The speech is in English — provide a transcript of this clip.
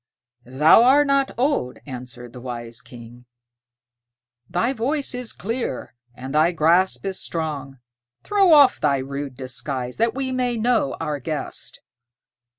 "Thou art not old," answered the wise King; "thy voice is clear, and thy grasp is strong. Throw off thy rude disguise, that we may know our guest."